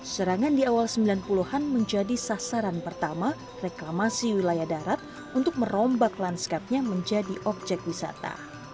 serangan di awal sembilan puluh an menjadi sasaran pertama reklamasi wilayah darat untuk merombak lanskapnya menjadi objek wisata